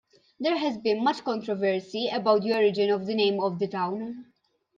There has been much controversy about the origin of the name of the town.